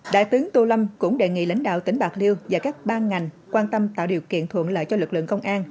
đại tướng tô lâm cũng đề nghị lãnh đạo tỉnh bạc liêu và các ban ngành quan tâm tạo điều kiện thuận lợi cho lực lượng công an